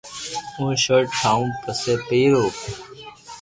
ھون ݾرٽ ٺاو پسي پيرو